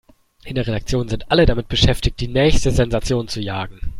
In der Redaktion sind alle damit beschäftigt, die nächste Sensation zu jagen.